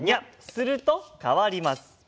すると変わります。